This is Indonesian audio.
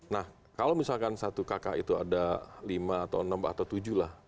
nah kalau misalkan satu kakak itu ada lima atau enam atau tujuh lah